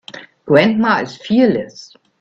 Grandma is fearless.